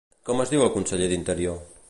Com es diu el conseller d'Interior?